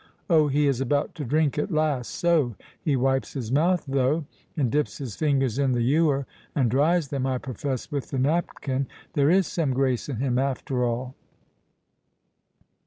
— Oh, he is about to drink at last—Soh!—he wipes his mouth, though,—and dips his fingers in the ewer—and dries them, I profess, with the napkin!—there is some grace in him, after all."